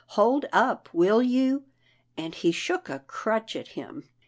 Hold up, will you !" and he shook a crutch at him.